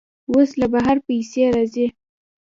اوس له بهر پیسې راځي.